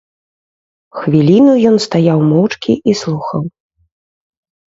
Хвіліну ён стаяў моўчкі і слухаў.